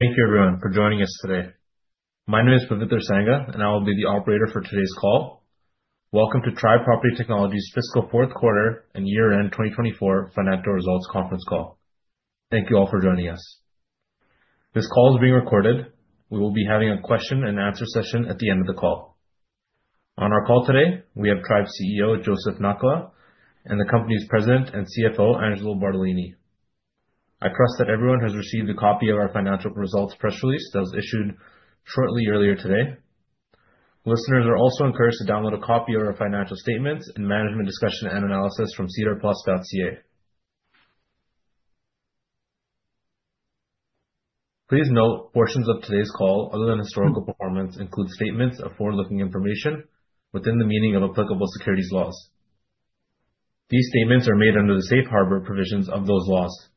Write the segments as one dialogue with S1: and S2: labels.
S1: Thank you, everyone, for joining us today. My name is Pravith Irsanga, and I will be the operator for today's call. Welcome to Tribe Property Technologies' Fiscal Fourth Quarter and Year-End 2024 Financial Results Conference Call. Thank you all for joining us. This call is being recorded. We will be having a question-and-answer session at the end of the call. On our call today, we have Tribe CEO Joseph Nakhla and the company's President and CFO, Angelo Bartolini. I trust that everyone has received a copy of our financial results press release that was issued shortly earlier today. Listeners are also encouraged to download a copy of our financial statements and management discussion and analysis from sedarplus.ca. Please note portions of today's call, other than historical performance, include statements of forward-looking information within the meaning of applicable securities laws. These statements are made under the safe harbor provisions of those laws,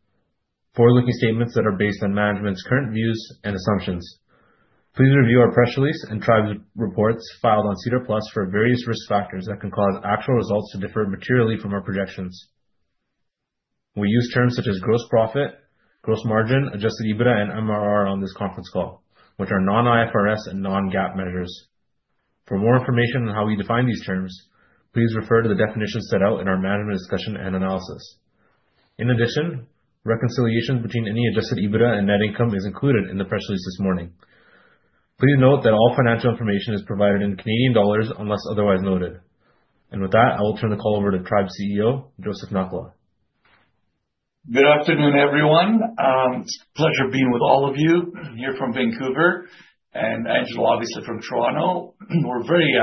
S1: forward-looking statements that are based on management's current views and assumptions. Please review our press release and Tribe's reports filed on sedarplus.ca for various risk factors that can cause actual results to differ materially from our projections. We use terms such as gross profit, gross margin, adjusted EBITDA, and MRR on this conference call, which are non-IFRS and non-GAAP measures. For more information on how we define these terms, please refer to the definitions set out in our management discussion and analysis. In addition, reconciliation between any adjusted EBITDA and net income is included in the press release this morning. Please note that all financial information is provided in Canadian dollars unless otherwise noted. With that, I will turn the call over to Tribe CEO Joseph Nakhla.
S2: Good afternoon, everyone. It's a pleasure being with all of you here from Vancouver and Angelo, obviously, from Toronto. We're very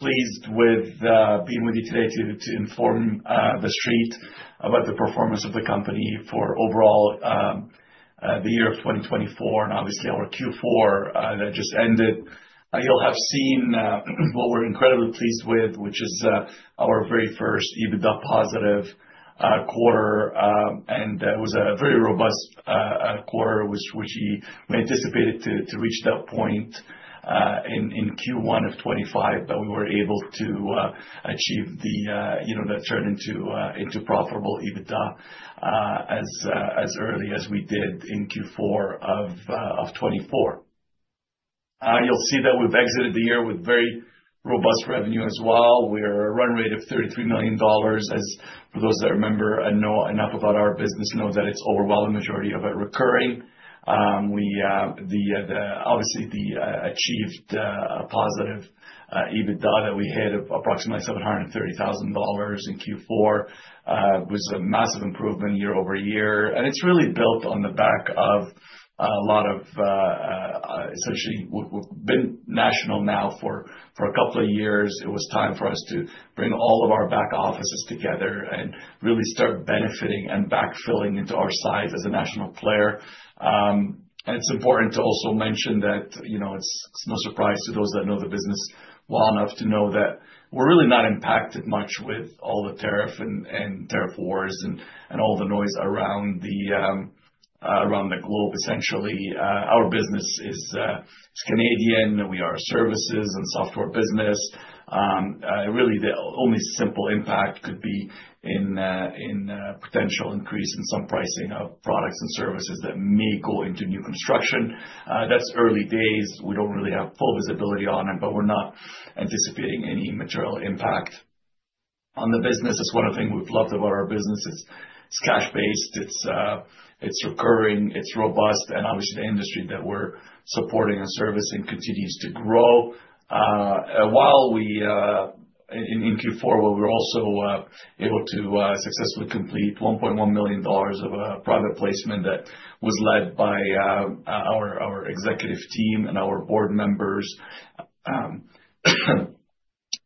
S2: pleased with being with you today to inform the street about the performance of the company for overall the year of 2024 and obviously our Q4 that just ended. You'll have seen what we're incredibly pleased with, which is our very first EBITDA +ve quarter. It was a very robust quarter, which we anticipated to reach that point in Q1 of 2025 that we were able to achieve the turn into profitable EBITDA as early as we did in Q4 of 2024. You'll see that we've exited the year with very robust revenue as well. We are a run rate of 33 million dollars. As for those that remember and know enough about our business, know that its overwhelming majority of it recurring. Obviously, the achieved +ve EBITDA that we hit of approximately 730,000 dollars in Q4 was a massive improvement year over year. It's really built on the back of a lot of essentially we've been national now for a couple of years. It was time for us to bring all of our back offices together and really start benefiting and backfilling into our size as a national player. It's important to also mention that it's no surprise to those that know the business well enough to know that we're really not impacted much with all the tariff and tariff wars and all the noise around the globe, essentially. Our business is Canadian. We are a services and software business. Really, the only simple impact could be in potential increase in some pricing of products and services that may go into new construction. That's early days. We don't really have full visibility on it, but we're not anticipating any material impact on the business. That's one of the things we've loved about our business. It's cash-based. It's recurring. It's robust. Obviously, the industry that we're supporting and servicing continues to grow. While in Q4, we were also able to successfully complete 1.1 million dollars of a private placement that was led by our executive team and our board members.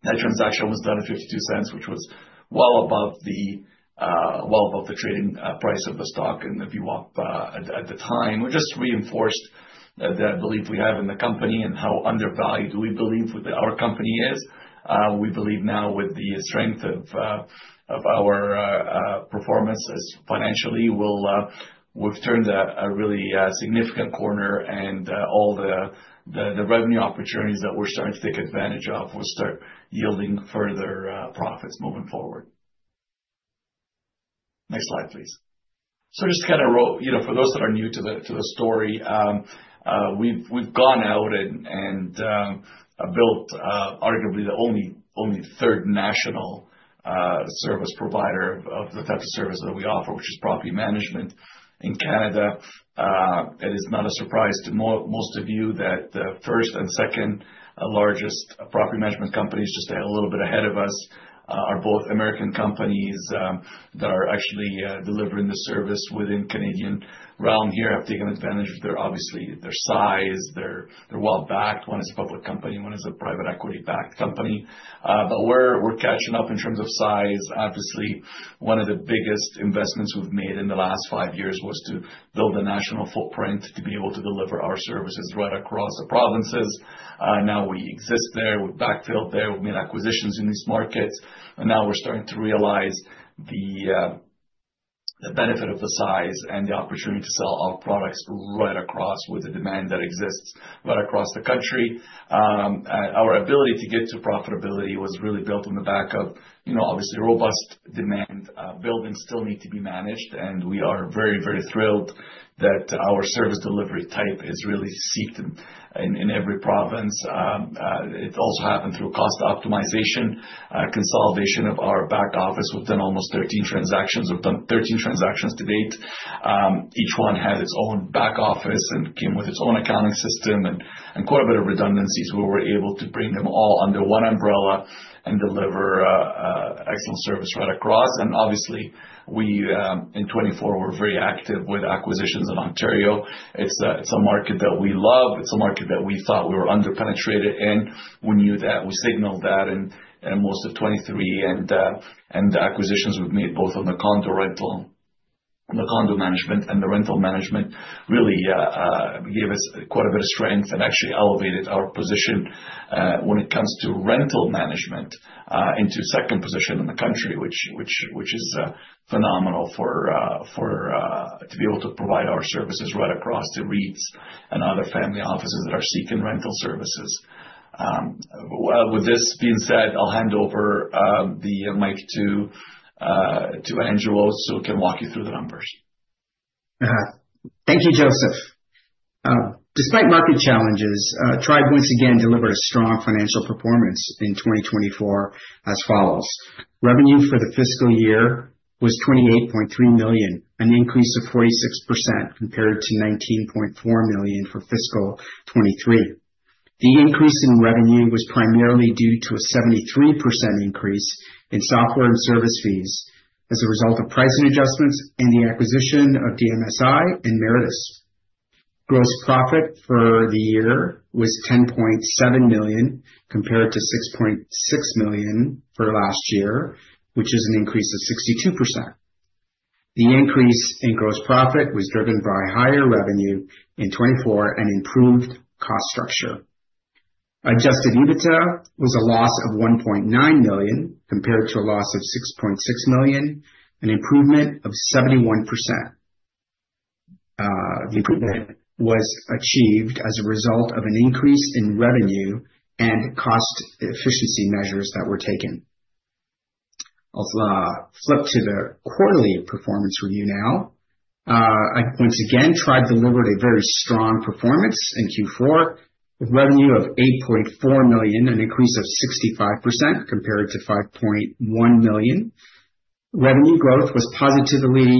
S2: That transaction was done at 0.52, which was well above the trading price of the stock and the VWAP at the time. It just reinforced the belief we have in the company and how undervalued we believe our company is. We believe now with the strength of our performance financially, we've turned a really significant corner and all the revenue opportunities that we're starting to take advantage of will start yielding further profits moving forward. Next slide, please. Just kind of for those that are new to the story, we've gone out and built arguably the only third national service provider of the type of service that we offer, which is property management in Canada. It is not a surprise to most of you that the first and second largest property management companies just a little bit ahead of us are both American companies that are actually delivering the service within Canadian realm here, have taken advantage of their, obviously, their size, their well-backed. One is a public company. One is a private equity-backed company. We're catching up in terms of size. Obviously, one of the biggest investments we've made in the last five years was to build a national footprint to be able to deliver our services right across the provinces. Now we exist there. We've backfilled there. We've made acquisitions in these markets. Now we're starting to realize the benefit of the size and the opportunity to sell our products right across with the demand that exists right across the country. Our ability to get to profitability was really built on the back of, obviously, robust demand. Buildings still need to be managed. We are very, very thrilled that our service delivery type is really seeked in every province. It also happened through cost optimization, consolidation of our back office. We've done almost 13 transactions. We've done 13 transactions to date. Each one had its own back office and came with its own accounting system and quite a bit of redundancies. We were able to bring them all under one umbrella and deliver excellent service right across. In 2024, we're very active with acquisitions in Ontario. It's a market that we love. It's a market that we thought we were underpenetrated in. We knew that. We signaled that in most of 2023. The acquisitions we've made both on the condo management and the rental management really gave us quite a bit of strength and actually elevated our position when it comes to rental management into second position in the country, which is phenomenal to be able to provide our services right across to REITs and other family offices that are seeking rental services. With this being said, I'll hand over the mic to Angelo so he can walk you through the numbers.
S3: Thank you, Joseph. Despite market challenges, Tribe once again delivered a strong financial performance in 2024 as follows. Revenue for the fiscal year was 28.3 million, an increase of 46% compared to 19.4 million for fiscal 2023. The increase in revenue was primarily due to a 73% increase in software and service fees as a result of pricing adjustments and the acquisition of DMSI and Meritus. Gross profit for the year was 10.7 million compared to 6.6 million for last year, which is an increase of 62%. The increase in gross profit was driven by higher revenue in 2024 and improved cost structure. Adjusted EBITDA was a loss of 1.9 million compared to a loss of 6.6 million, an improvement of 71%. The improvement was achieved as a result of an increase in revenue and cost efficiency measures that were taken. I'll flip to the quarterly performance review now. Once again, Tribe delivered a very strong performance in Q4 with revenue of 8.4 million, an increase of 65% compared to 5.1 million. Revenue growth was positively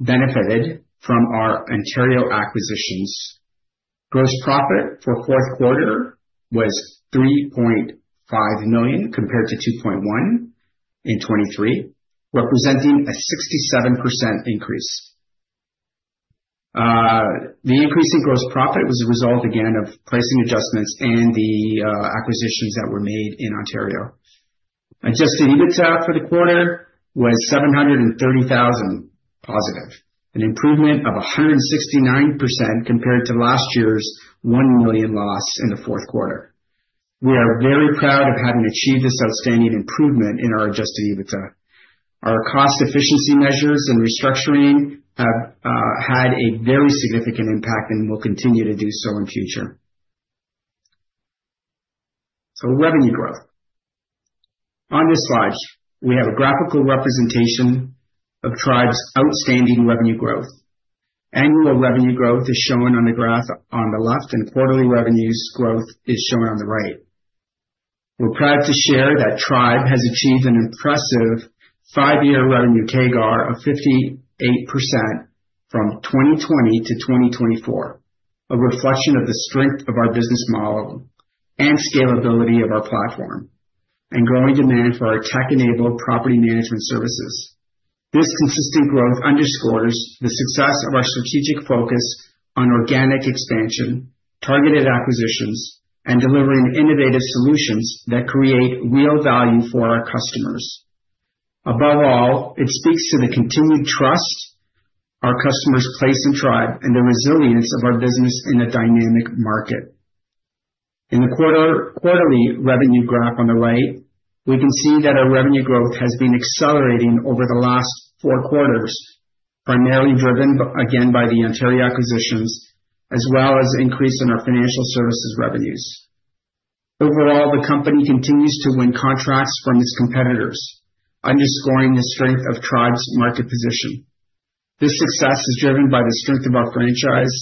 S3: benefited from our Ontario acquisitions. Gross profit for fourth quarter was 3.5 million compared to 2.1 million in 2023, representing a 67% increase. The increase in gross profit was a result, again, of pricing adjustments and the acquisitions that were made in Ontario. Adjusted EBITDA for the quarter was 730,000 +ve, an improvement of 169% compared to last year's 1 million loss in the fourth quarter. We are very proud of having achieved this outstanding improvement in our adjusted EBITDA. Our cost efficiency measures and restructuring have had a very significant impact and will continue to do so in future. Revenue growth. On this slide, we have a graphical representation of Tribe's outstanding revenue growth. Annual revenue growth is shown on the graph on the left, and quarterly revenues growth is shown on the right. We're proud to share that Tribe has achieved an impressive five-year revenue CAGR of 58% from 2020 to 2024, a reflection of the strength of our business model and scalability of our platform and growing demand for our tech-enabled property management services. This consistent growth underscores the success of our strategic focus on organic expansion, targeted acquisitions, and delivering innovative solutions that create real value for our customers. Above all, it speaks to the continued trust our customers place in Tribe and the resilience of our business in a dynamic market. In the quarterly revenue graph on the right, we can see that our revenue growth has been accelerating over the last four quarters, primarily driven again by the Ontario acquisitions as well as an increase in our financial services revenues. Overall, the company continues to win contracts from its competitors, underscoring the strength of Tribe's market position. This success is driven by the strength of our franchise,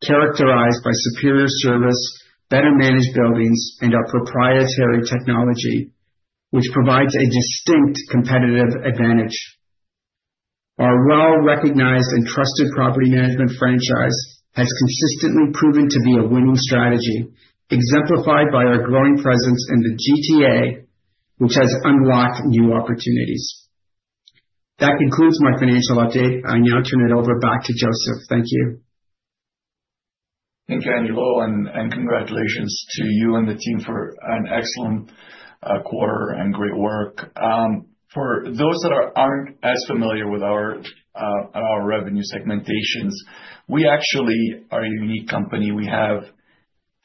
S3: characterized by superior service, better-managed buildings, and our proprietary technology, which provides a distinct competitive advantage. Our well-recognized and trusted property management franchise has consistently proven to be a winning strategy, exemplified by our growing presence in the GTA, which has unlocked new opportunities. That concludes my financial update. I now turn it over back to Joseph. Thank you.
S2: Thank you, Angelo, and congratulations to you and the team for an excellent quarter and great work. For those that are not as familiar with our revenue segmentations, we actually are a unique company. We have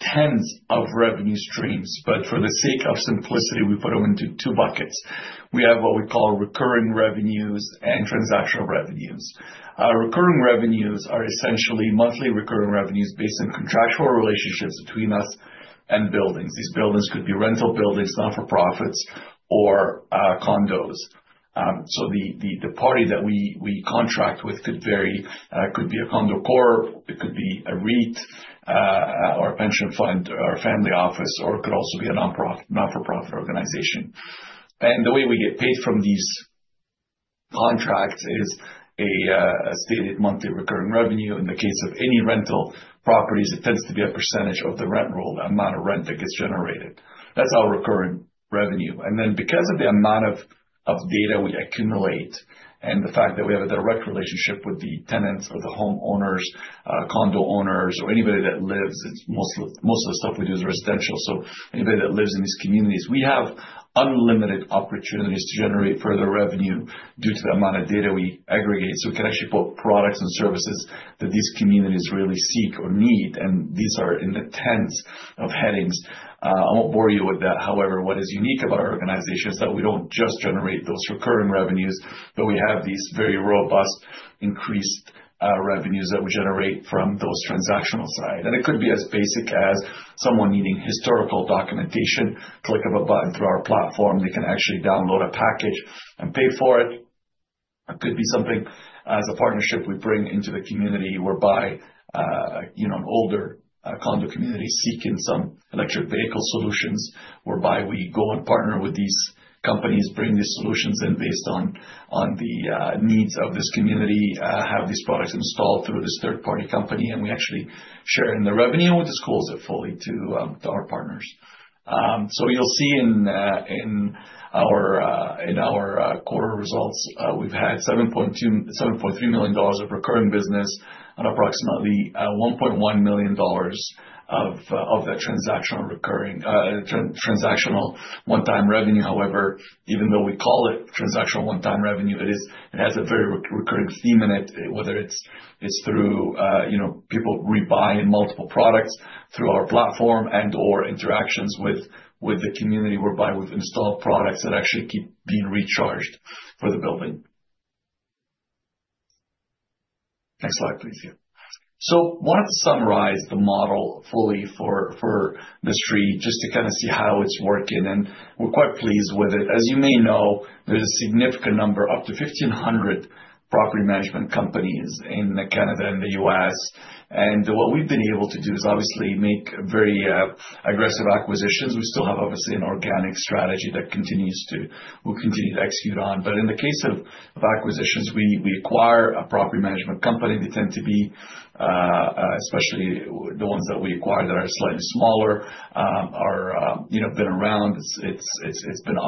S2: 10s of revenue streams, but for the sake of simplicity, we put them into two buckets. We have what we call recurring revenues and transactional revenues. Our recurring revenues are essentially monthly recurring revenues based on contractual relationships between us and buildings. These buildings could be rental buildings, not-for-profits, or condos. The party that we contract with could vary. It could be a condo corp. It could be a REIT or a pension fund or a family office, or it could also be a not-for-profit organization. The way we get paid from these contracts is a stated monthly recurring revenue. In the case of any rental properties, it tends to be a percentage of the rental amount of rent that gets generated. That's our recurring revenue. Because of the amount of data we accumulate and the fact that we have a direct relationship with the tenants or the homeowners, condo owners, or anybody that lives, most of the stuff we do is residential. Anybody that lives in these communities, we have unlimited opportunities to generate further revenue due to the amount of data we aggregate. We can actually put products and services that these communities really seek or need. These are in the tens of headings. I won't bore you with that. However, what is unique about our organization is that we don't just generate those recurring revenues, but we have these very robust increased revenues that we generate from those transactional side. It could be as basic as someone needing historical documentation, click of a button through our platform. They can actually download a package and pay for it. It could be something as a partnership we bring into the community whereby an older condo community seeking some electric vehicle solutions, whereby we go and partner with these companies, bring these solutions in based on the needs of this community, have these products installed through this third-party company, and we actually share in the revenue and we disclose it fully to our partners. You will see in our quarter results, we have had 7.3 million dollars of recurring business and approximately 1.1 million dollars of that transactional one-time revenue. However, even though we call it transactional one-time revenue, it has a very recurring theme in it, whether it's through people rebuying multiple products through our platform and/or interactions with the community, whereby we've installed products that actually keep being recharged for the building. Next slide, please. I wanted to summarize the model fully for this tree just to kind of see how it's working. And we're quite pleased with it. As you may know, there's a significant number, up to 1,500 property management companies in Canada and the U.S.. What we've been able to do is obviously make very aggressive acquisitions. We still have, obviously, an organic strategy that we continue to execute on. In the case of acquisitions, we acquire a property management company. They tend to be, especially the ones that we acquire that are slightly smaller, have been around. It's been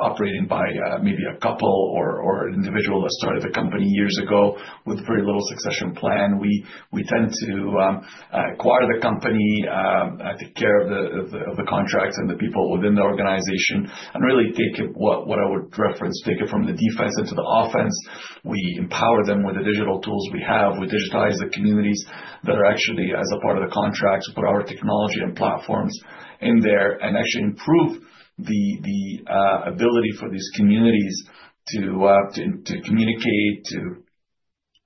S2: operating by maybe a couple or an individual that started the company years ago with very little succession plan. We tend to acquire the company, take care of the contracts and the people within the organization, and really take it, what I would reference, take it from the defense into the offense. We empower them with the digital tools we have. We digitize the communities that are actually as a part of the contracts. We put our technology and platforms in there and actually improve the ability for these communities to communicate, to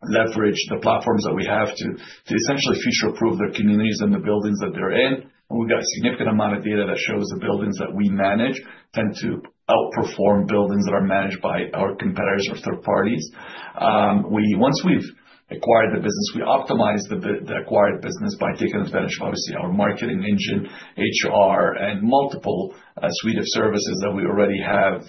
S2: leverage the platforms that we have to essentially future-proof their communities and the buildings that they're in. We have got a significant amount of data that shows the buildings that we manage tend to outperform buildings that are managed by our competitors or third parties. Once we've acquired the business, we optimize the acquired business by taking advantage of, obviously, our marketing engine, HR, and multiple suites of services that we already have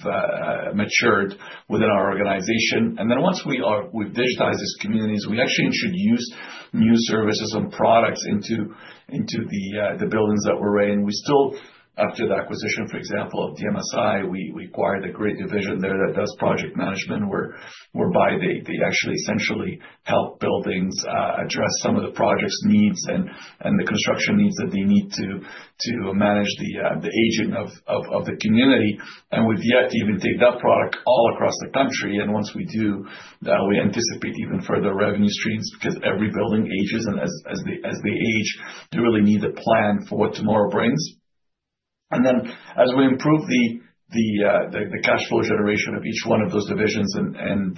S2: matured within our organization. Once we've digitized these communities, we actually introduce new services and products into the buildings that we're in. We still, after the acquisition, for example, of DMSI, we acquired a great division there that does project management whereby they actually essentially help buildings address some of the project's needs and the construction needs that they need to manage the aging of the community. We've yet to even take that product all across the country. Once we do, we anticipate even further revenue streams because every building ages, and as they age, they really need a plan for what tomorrow brings. As we improve the cash flow generation of each one of those divisions and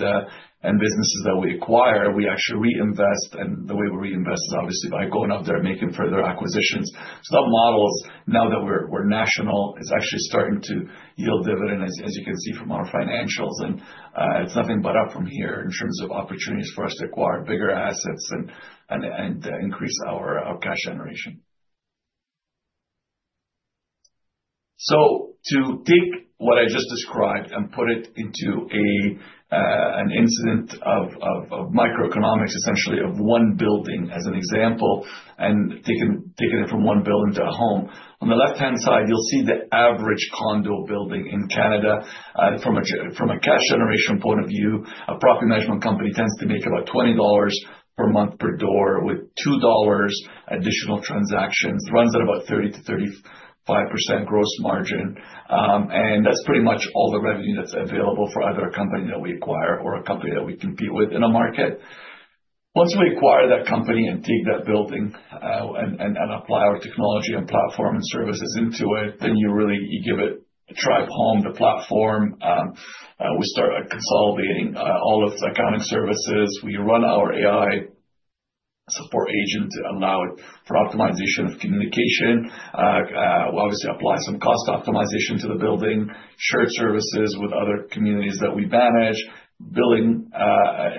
S2: businesses that we acquire, we actually reinvest. The way we reinvest is obviously by going out there and making further acquisitions. That model, now that we're national, is actually starting to yield dividends, as you can see from our financials. It's nothing but up from here in terms of opportunities for us to acquire bigger assets and increase our cash generation. To take what I just described and put it into an incident of microeconomics, essentially of one building as an example, and taking it from one building to a home, on the left-hand side, you'll see the average condo building in Canada. From a cash generation point of view, a property management company tends to make about 20 dollars per month per door with 2 dollars additional transactions. It runs at about 30-35% gross margin. That is pretty much all the revenue that is available for either a company that we acquire or a company that we compete with in a market. Once we acquire that company and take that building and apply our technology and platform and services into it, you give it a Tribe Home, the platform. We start consolidating all of its accounting services. We run our AI support agent to allow it for optimization of communication. We obviously apply some cost optimization to the building, shared services with other communities that we manage, billing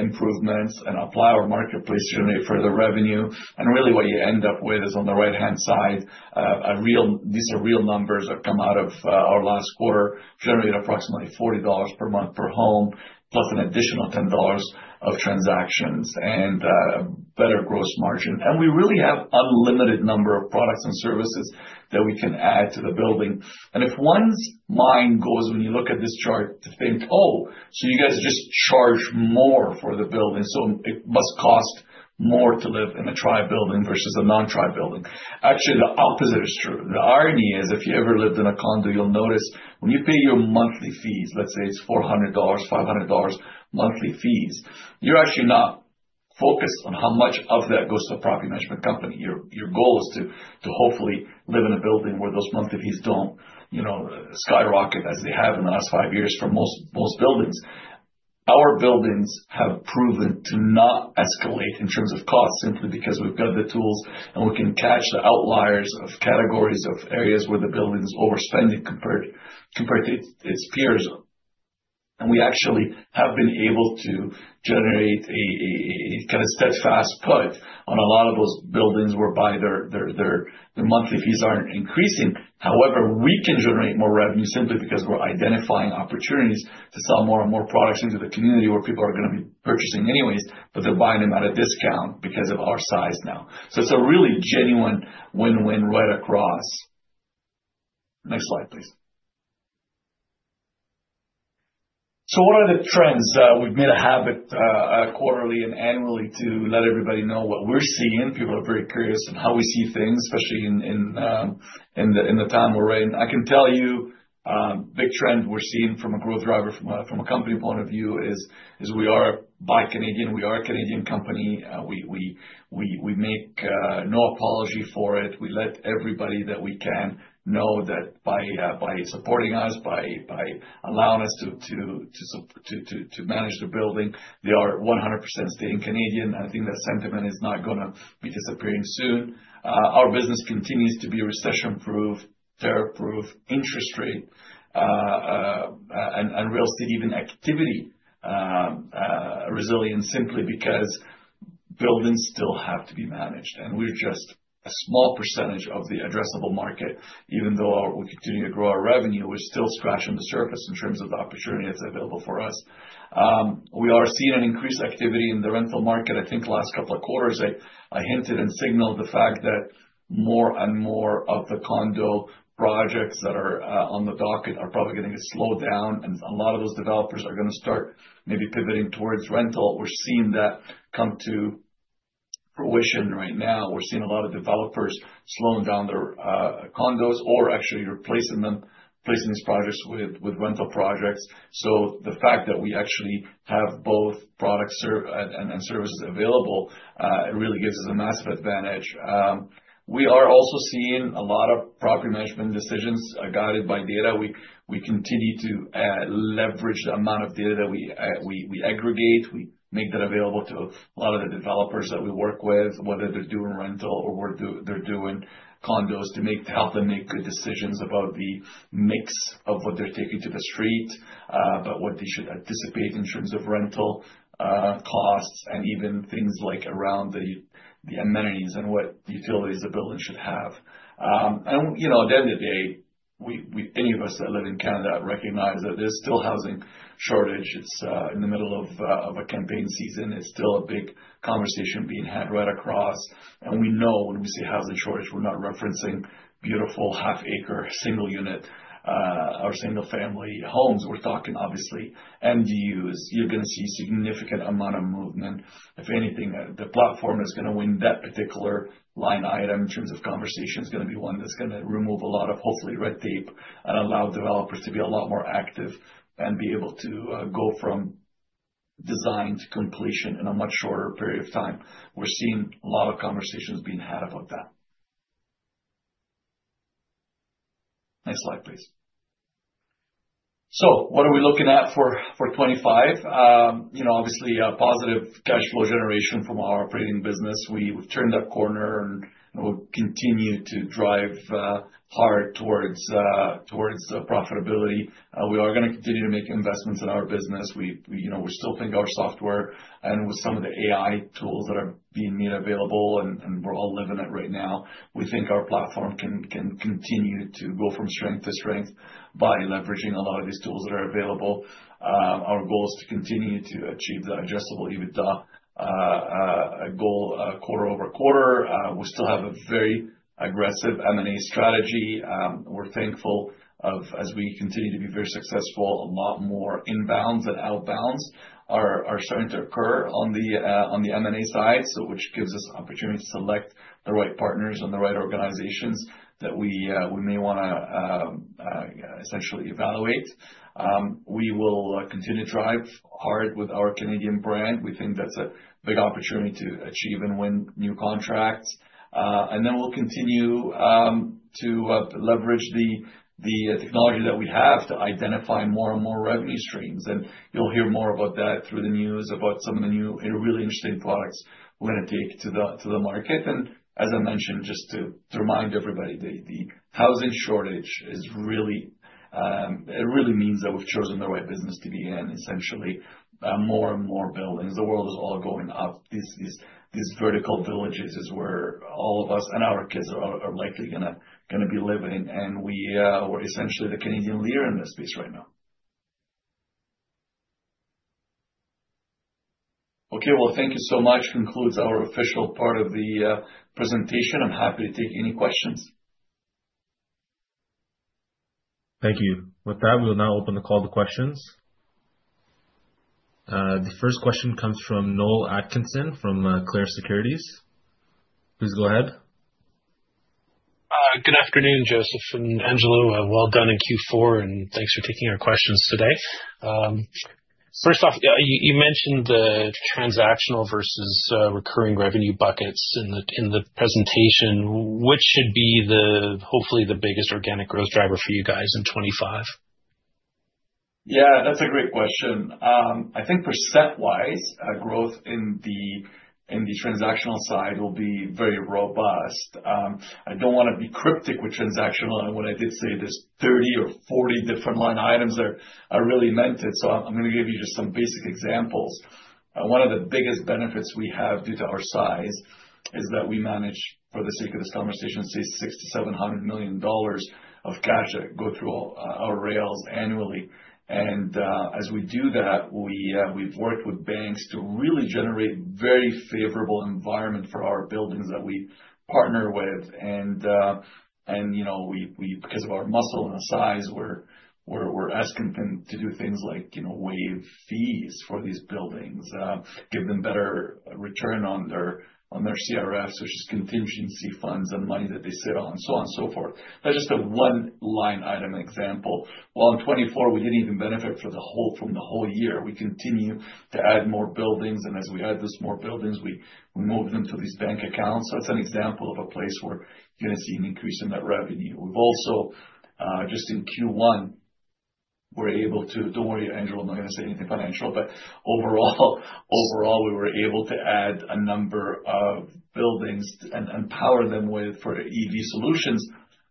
S2: improvements, and apply our marketplace to generate further revenue. Really, what you end up with is on the right-hand side, these are real numbers that come out of our last quarter, generated approximately 40 dollars per month per home, plus an additional 10 dollars of transactions and better gross margin. We really have an unlimited number of products and services that we can add to the building. If one's mind goes, when you look at this chart, to think, "Oh, so you guys just charge more for the building, so it must cost more to live in a Tribe building vs a non-Tribe building." Actually, the opposite is true. The irony is if you ever lived in a condo, you'll notice when you pay your monthly fees, let's say it's 400 dollars, 500 dollars monthly fees, you're actually not focused on how much of that goes to a property management company. Your goal is to hopefully live in a building where those monthly fees do not skyrocket as they have in the last five years for most buildings. Our buildings have proven to not escalate in terms of cost simply because we have got the tools and we can catch the outliers of categories of areas where the building is overspending compared to its peers. We actually have been able to generate a kind of steadfast put on a lot of those buildings whereby their monthly fees are not increasing. However, we can generate more revenue simply because we are identifying opportunities to sell more and more products into the community where people are going to be purchasing anyways, but they are buying them at a discount because of our size now. It is a really genuine win-win right across. Next slide, please. What are the trends? We've made a habit quarterly and annually to let everybody know what we're seeing. People are very curious on how we see things, especially in the time we're in. I can tell you a big trend we're seeing from a growth driver from a company point of view is we are by Canadian. We are a Canadian company. We make no apology for it. We let everybody that we can know that by supporting us, by allowing us to manage the building, they are 100% staying Canadian. I think that sentiment is not going to be disappearing soon. Our business continues to be recession-proof, tariff-proof, interest-rate, and real estate, even activity resilient simply because buildings still have to be managed. We're just a small percentage of the addressable market. Even though we continue to grow our revenue, we're still scratching the surface in terms of the opportunity that's available for us. We are seeing an increased activity in the rental market. I think last couple of quarters, I hinted and signaled the fact that more and more of the condo projects that are on the docket are probably going to slow down. A lot of those developers are going to start maybe pivoting towards rental. We're seeing that come to fruition right now. We're seeing a lot of developers slowing down their condos or actually replacing them, replacing these projects with rental projects. The fact that we actually have both products and services available, it really gives us a massive advantage. We are also seeing a lot of property management decisions guided by data. We continue to leverage the amount of data that we aggregate. We make that available to a lot of the developers that we work with, whether they're doing rental or they're doing condos, to help them make good decisions about the mix of what they're taking to the street, about what they should anticipate in terms of rental costs, and even things like around the amenities and what utilities the building should have. At the end of the day, any of us that live in Canada recognize that there's still a housing shortage. It's in the middle of a campaign season. It's still a big conversation being had right across. We know when we say housing shortage, we're not referencing beautiful half-acre single unit or single-family homes. We're talking, obviously, MDUs. You're going to see a significant amount of movement. If anything, the platform that's going to win that particular line item in terms of conversation is going to be one that's going to remove a lot of, hopefully, red tape and allow developers to be a lot more active and be able to go from design to completion in a much shorter period of time. We're seeing a lot of conversations being had about that. Next slide, please. What are we looking at for 2025? Obviously, positive cash flow generation from our operating business. We've turned that corner and we'll continue to drive hard towards profitability. We are going to continue to make investments in our business. We still think our software and with some of the AI tools that are being made available, and we're all living it right now, we think our platform can continue to go from strength to strength by leveraging a lot of these tools that are available. Our goal is to continue to achieve the addressable EBITDA goal quarter over quarter. We still have a very aggressive M&A strategy. We're thankful as we continue to be very successful, a lot more inbounds and outbounds are starting to occur on the M&A side, which gives us an opportunity to select the right partners and the right organizations that we may want to essentially evaluate. We will continue to drive hard with our Canadian brand. We think that's a big opportunity to achieve and win new contracts. We will continue to leverage the technology that we have to identify more and more revenue streams. You will hear more about that through the news about some of the new and really interesting products we are going to take to the market. As I mentioned, just to remind everybody, the housing shortage really means that we have chosen the right business to be in, essentially, more and more buildings. The world is all going up. These vertical villages are where all of us and our kids are likely going to be living. We are essentially the Canadian leader in this space right now. Thank you so much. That concludes our official part of the presentation. I am happy to take any questions.
S1: Thank you. With that, we will now open the call to questions. The first question comes from Noel Atkinson from Clarus Securities. Please go ahead.
S4: Good afternoon, Joseph and Angelo. Well done in Q4, and thanks for taking our questions today. First off, you mentioned the transactional vs recurring revenue buckets in the presentation. Which should be, hopefully, the biggest organic growth driver for you guys in 2025?
S2: That is a great question. I think percent-wise, growth in the transactional side will be very robust. I do not want to be cryptic with transactional. What I did say, there are 30 or 40 different line items that are really meant it. I am going to give you just some basic examples. One of the biggest benefits we have due to our size is that we manage, for the sake of this conversation, say, 600 million-700 million dollars of cash that go through our rails annually. As we do that, we've worked with banks to really generate a very favorable environment for our buildings that we partner with. Because of our muscle and our size, we're asking them to do things like waive fees for these buildings, give them better return on their CRFs, which is contingency funds and money that they sit on, so on and so forth. That's just a one-line item example. In 2024, we didn't even benefit from the whole year. We continue to add more buildings. As we add those more buildings, we move them to these bank accounts. That's an example of a place where you're going to see an increase in that revenue. We've also, just in Q1, were able to—don't worry, Angelo, I'm not going to say anything financial—but overall, we were able to add a number of buildings and empower them for EV Solutions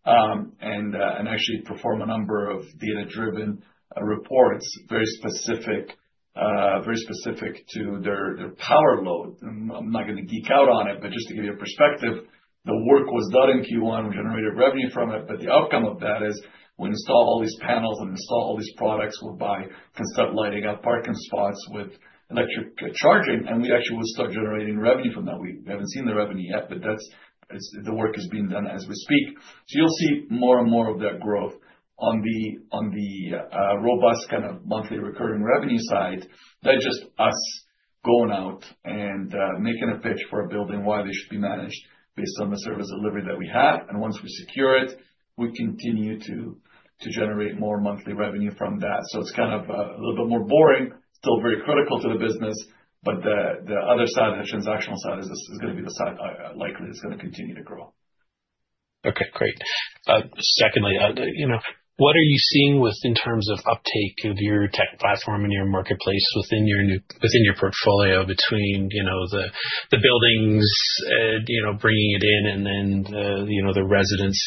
S2: and actually perform a number of data-driven reports very specific to their power load. I'm not going to geek out on it, but just to give you a perspective, the work was done in Q1. We generated revenue from it. The outcome of that is we install all these panels and install all these products whereby we can start lighting up parking spots with electric charging. We actually will start generating revenue from that. We haven't seen the revenue yet, but the work is being done as we speak. You will see more and more of that growth on the robust kind of monthly recurring revenue side. That's just us going out and making a pitch for a building why they should be managed based on the service delivery that we have. Once we secure it, we continue to generate more monthly revenue from that. It's kind of a little bit more boring, still very critical to the business. The other side, the transactional side, is going to be the side likely that's going to continue to grow.
S4: Okay. Great. Secondly, what are you seeing in terms of uptake of your tech platform and your marketplace within your portfolio between the buildings bringing it in and then the residents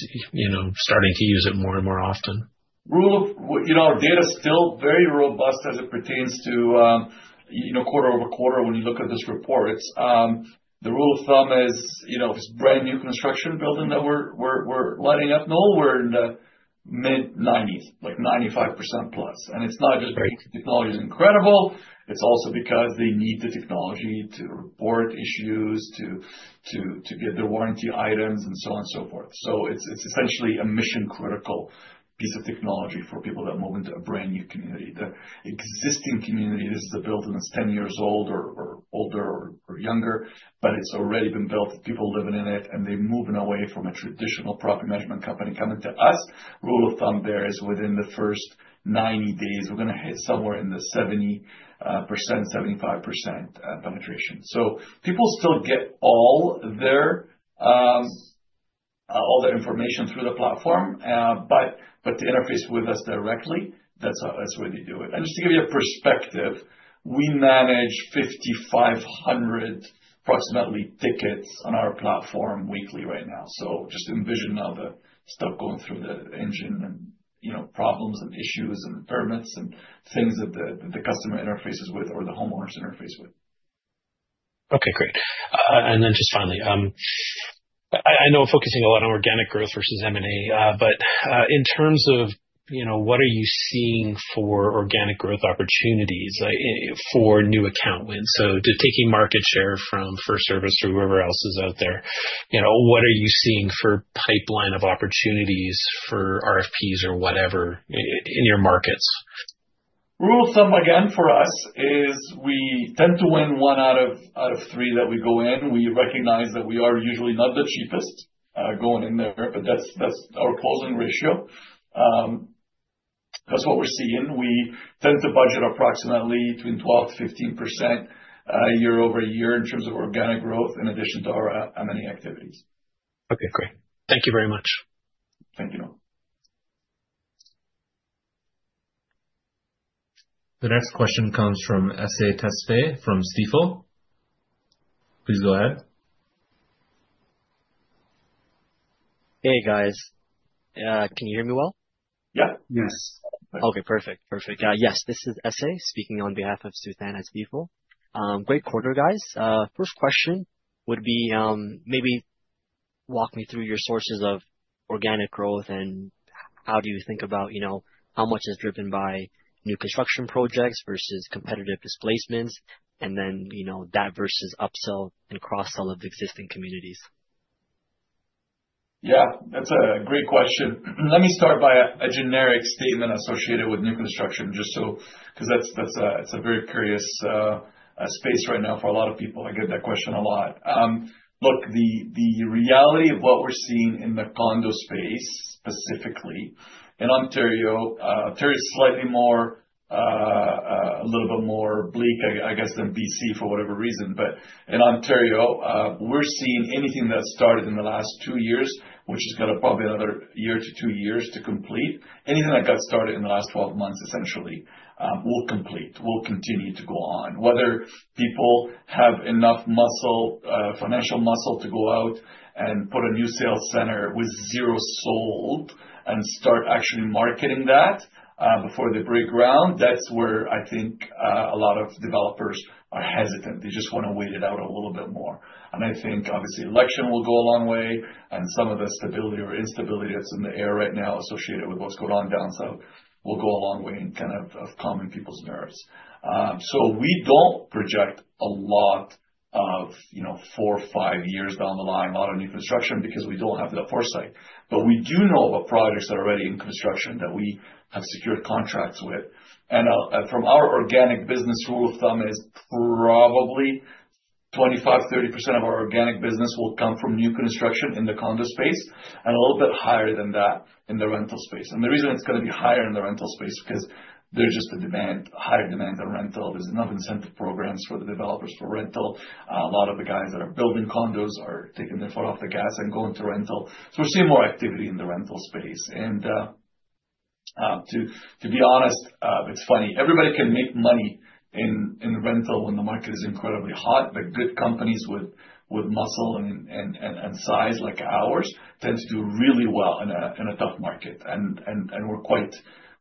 S4: starting to use it more and more often?
S2: Rule of data is still very robust as it pertains to quarter over quarter when you look at those reports. The rule of thumb is if it's a brand new construction building that we're lighting up, Noel, we're in the mid-90s, like 95% +. It's not just because the technology is incredible. It's also because they need the technology to report issues, to get their warranty items, and so on and so forth. It's essentially a mission-critical piece of technology for people that move into a brand new community. The existing community, this is a building that's 10 years old or older or younger, but it's already been built. People are living in it, and they're moving away from a traditional property management company coming to us. Rule of thumb there is within the first 90 days, we're going to hit somewhere in the 70%-75% penetration. People still get all their information through the platform, but to interface with us directly, that's where they do it. Just to give you a perspective, we manage approximately 5,500 tickets on our platform weekly right now. Envision now the stuff going through the engine and problems and issues and permits and things that the customer interfaces with or the homeowners interface with.
S4: Okay. Great. Finally, I know we're focusing a lot on organic growth vs M&A, but in terms of what are you seeing for organic growth opportunities for new account wins? Taking market share from FirstService or whoever else is out there, what are you seeing for pipeline of opportunities for RFPs or whatever in your markets?
S2: Rule of thumb again for us is we tend to win one out of three that we go in. We recognize that we are usually not the cheapest going in there, but that's our closing ratio. That's what we're seeing. We tend to budget approximately between 12-15% year over year in terms of organic growth in addition to our M&A activities.
S4: Okay. Great. Thank you very much.
S2: Thank you.
S1: The next question comes from Essey Tesfaye from Stifel. Please go ahead.
S5: Hey, guys. Can you hear me well? Yeah. Yes. Okay. Perfect. Perfect. Yes. This is Essey speaking on behalf of Suthan at Stifel. Great quarter, guys. First question would be maybe walk me through your sources of organic growth and how do you think about how much is driven by new construction projects vs competitive displacements, and then that vs upsell and cross-sell of existing communities?
S2: Yeah. That's a great question. Let me start by a generic statement associated with new construction just because it's a very curious space right now for a lot of people. I get that question a lot. Look, the reality of what we're seeing in the condo space specifically in Ontario, Ontario is slightly more, a little bit more bleak, I guess, than BC for whatever reason. In Ontario, we're seeing anything that started in the last two years, which has got probably another year to two years to complete, anything that got started in the last 12 months essentially will complete. We'll continue to go on. Whether people have enough financial muscle to go out and put a new sales center with zero sold and start actually marketing that before they break ground, that's where I think a lot of developers are hesitant. They just want to wait it out a little bit more. I think, obviously, election will go a long way, and some of the stability or instability that's in the air right now associated with what's going on down south will go a long way in kind of calming people's nerves. We do not project a lot of four or five years down the line on new construction because we do not have that foresight. We do know about projects that are already in construction that we have secured contracts with. From our organic business, rule of thumb is probably 25%-30% of our organic business will come from new construction in the condo space and a little bit higher than that in the rental space. The reason it's going to be higher in the rental space is because there's just a higher demand on rental. There are enough incentive programs for the developers for rental. A lot of the guys that are building condos are taking their foot off the gas and going to rental. We are seeing more activity in the rental space. To be honest, it's funny. Everybody can make money in rental when the market is incredibly hot, but good companies with muscle and size like ours tend to do really well in a tough market. We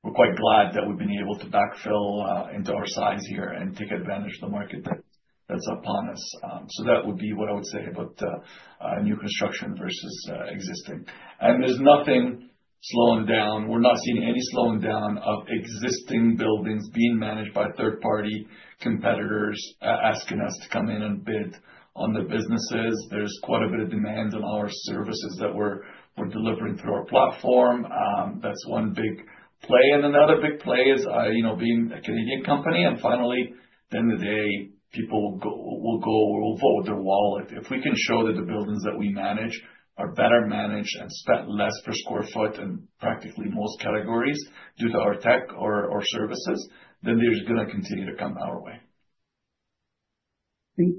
S2: are quite glad that we have been able to backfill into our size here and take advantage of the market that is upon us. That would be what I would say about new construction vs existing. There is nothing slowing down. We are not seeing any slowing down of existing buildings being managed by third-party competitors asking us to come in and bid on the businesses. There is quite a bit of demand on our services that we are delivering through our platform. That is one big play. Another big play is being a Canadian company. Finally, at the end of the day, people will vote with their wallet. If we can show that the buildings that we manage are better managed and spend less per sq ft in practically most categories due to our tech or services, then there is going to continue to come our way.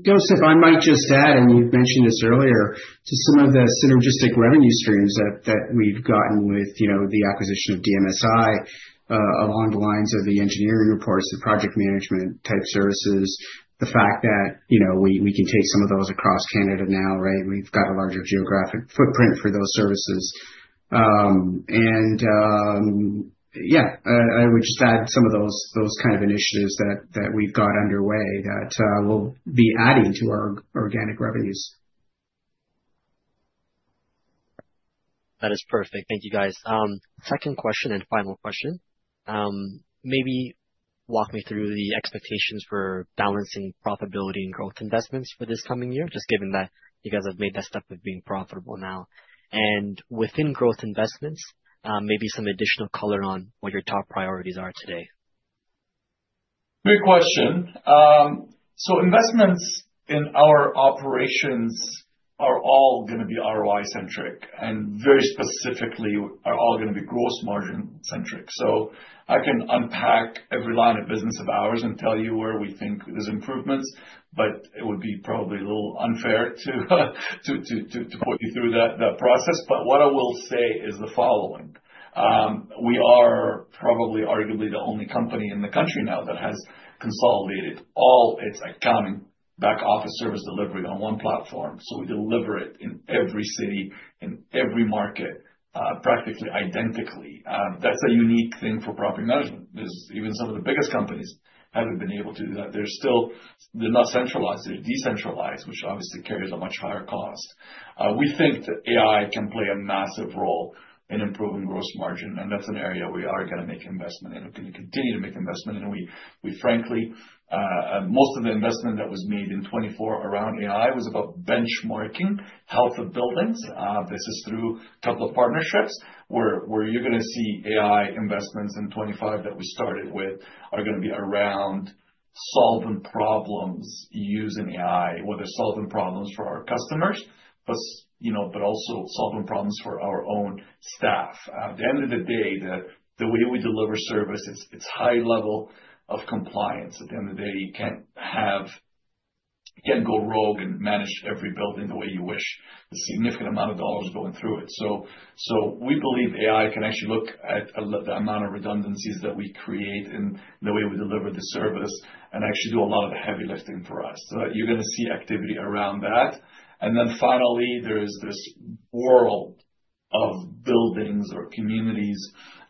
S3: Joseph, I might just add, and you have mentioned this earlier, to some of the synergistic revenue streams that we have gotten with the acquisition of DMSI along the lines of the engineering reports, the project management type services, the fact that we can take some of those across Canada now, right? We have a larger geographic footprint for those services. I would just add some of those kind of initiatives that we have underway that we will be adding to our organic revenues.
S5: That is perfect. Thank you, guys. Second question and final question. Maybe walk me through the expectations for balancing profitability and growth investments for this coming year, just given that you guys have made that step of being profitable now. Within growth investments, maybe some additional color on what your top priorities are today.
S2: Great question. Investments in our operations are all going to be ROI-centric and very specifically are all going to be gross margin-centric. I can unpack every line of business of ours and tell you where we think there are improvements, but it would be probably a little unfair to put you through that process. What I will say is the following. We are probably arguably the only company in the country now that has consolidated all its accounting back-office service delivery on one platform. We deliver it in every city, in every market, practically identically. That's a unique thing for property management. Even some of the biggest companies haven't been able to do that. They're not centralized. They're decentralized, which obviously carries a much higher cost. We think that AI can play a massive role in improving gross margin, and that's an area we are going to make investment in and continue to make investment in. Frankly, most of the investment that was made in 2024 around AI was about benchmarking health of buildings. This is through a couple of partnerships where you're going to see AI investments in 2025 that we started with are going to be around solving problems using AI, whether solving problems for our customers, but also solving problems for our own staff. At the end of the day, the way we deliver service, it's high level of compliance. At the end of the day, you can't go rogue and manage every building the way you wish. There is a significant amount of dollars going through it. We believe AI can actually look at the amount of redundancies that we create in the way we deliver the service and actually do a lot of the heavy lifting for us. You are going to see activity around that. Finally, there is this world of buildings or communities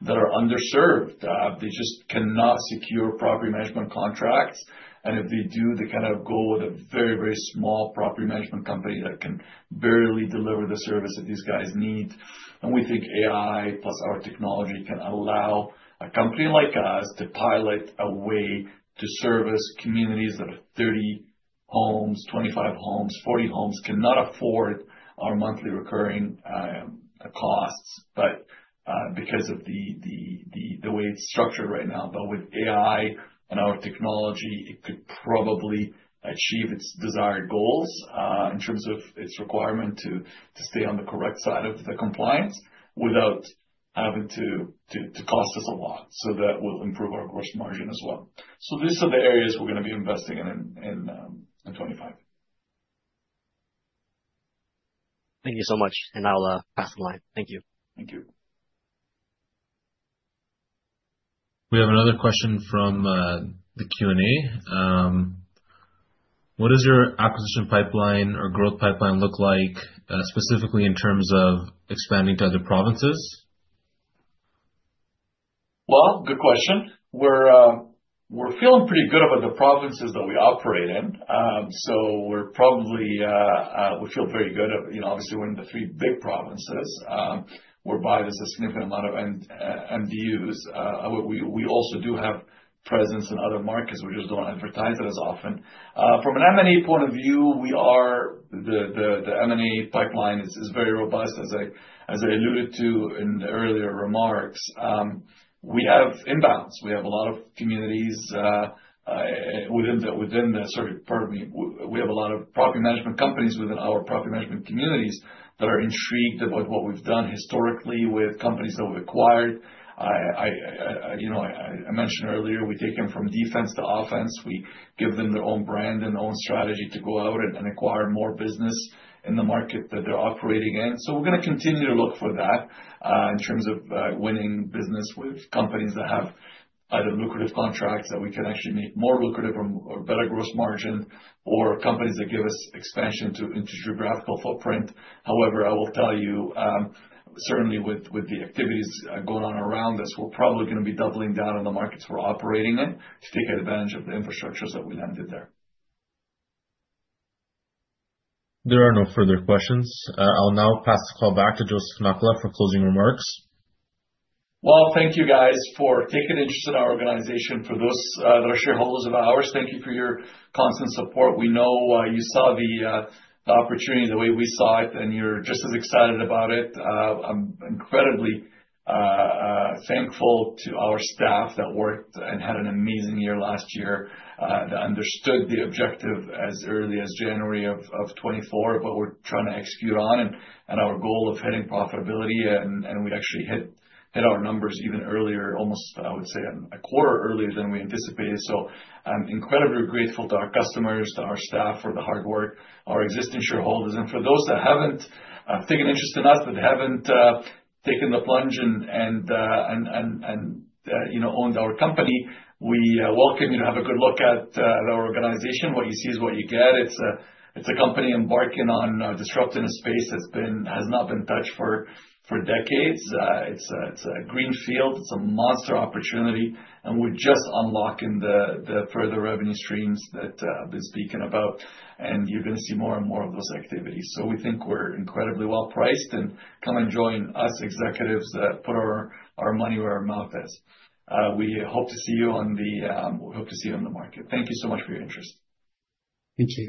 S2: that are underserved. They just cannot secure property management contracts. If they do, they kind of go with a very, very small property management company that can barely deliver the service that these guys need. We think AI + our technology can allow a company like us to pilot a way to service communities that are 30 homes, 25 homes, 40 homes, cannot afford our monthly recurring costs because of the way it is structured right now. With AI and our technology, it could probably achieve its desired goals in terms of its requirement to stay on the correct side of the compliance without having to cost us a lot. That will improve our gross margin as well. These are the areas we are going to be investing in in 2025.
S5: Thank you so much. I will pass the line. Thank you.
S2: Thank you.
S1: We have another question from the Q&A. What does your acquisition pipeline or growth pipeline look like specifically in terms of expanding to other provinces?
S2: Good question. We are feeling pretty good about the provinces that we operate in. We feel very good. Obviously, we're in the three big provinces whereby there's a significant amount of MDUs. We also do have presence in other markets. We just don't advertise it as often. From an M&A point of view, the M&A pipeline is very robust, as I alluded to in earlier remarks. We have inbounds. We have a lot of communities within the survey permit. We have a lot of property management companies within our property management communities that are intrigued about what we've done historically with companies that we've acquired. I mentioned earlier, we take them from defense to offense. We give them their own brand and own strategy to go out and acquire more business in the market that they're operating in. We're going to continue to look for that in terms of winning business with companies that have either lucrative contracts that we can actually make more lucrative or better gross margin or companies that give us expansion into geographical footprint. However, I will tell you, certainly with the activities going on around us, we're probably going to be doubling down on the markets we're operating in to take advantage of the infrastructures that we landed there.
S1: There are no further questions. I'll now pass the call back to Joseph Nakhla for closing remarks.
S2: Thank you, guys, for taking interest in our organization. For those that are shareholders of ours, thank you for your constant support. We know you saw the opportunity the way we saw it, and you're just as excited about it. I'm incredibly thankful to our staff that worked and had an amazing year last year that understood the objective as early as January of 2024, but we're trying to execute on and our goal of hitting profitability, and we actually hit our numbers even earlier, almost, I would say, a quarter earlier than we anticipated. I'm incredibly grateful to our customers, to our staff for the hard work, our existing shareholders. For those that have taken interest in us, that haven't taken the plunge and owned our company, we welcome you to have a good look at our organization. What you see is what you get. It's a company embarking on disrupting a space that has not been touched for decades. It's a green field. It's a monster opportunity. We're just unlocking the further revenue streams that I've been speaking about. You're going to see more and more of those activities. We think we're incredibly well priced. Come and join us executives that put our money where our mouth is. We hope to see you on the market. Thank you so much for your interest.
S1: Thank you.